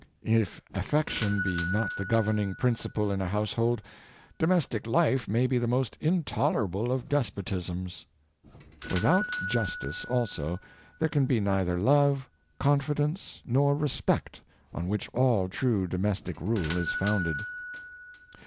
If affection be not the governing principle in a household, domestic life may be the most intolerable of despotisms. Without justice, also, there 566 The Woman'' s Kino dom, can be neither love, confidence, nor respect, on which all true domestic rule is founded.